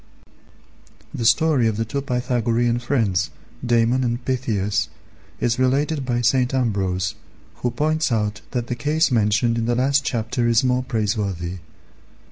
The story of the two Pythagorean friends, Damon and Pythias, is related by St. Ambrose, who points out that the case mentioned in the last chapter is more praiseworthy.